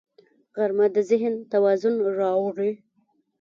غرمه د ذهن توازن راوړي